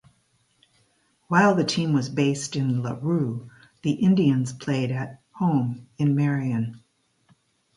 While the team was based in LaRue the Indians played at "home" in Marion.